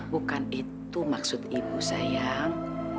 bukan itu maksud ibu sayang